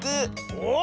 おっ！